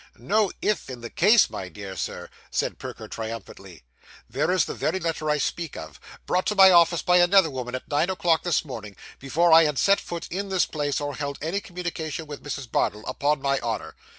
'No "if" in the case, my dear Sir,' said Perker triumphantly. 'There is the very letter I speak of. Brought to my office by another woman at nine o'clock this morning, before I had set foot in this place, or held any communication with Mrs. Bardell, upon my honour.